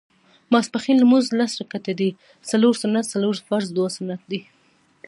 ماسپښېن لمونځ لس رکعته دی څلور سنت څلور فرض دوه سنت دي